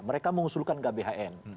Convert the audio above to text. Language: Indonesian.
mereka mengusulkan gbhn